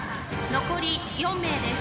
残り４名です。